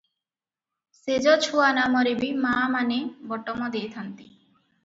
ଶେଯ ଛୁଆ ନାମରେ ବି ମାମାନେ ବଟମ ଦେଇଥାନ୍ତି ।